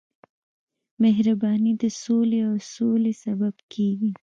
مهرباني د سولې او سولې سبب کېږي.